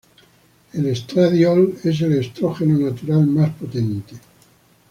El estradiol es el estrógeno natural más potente.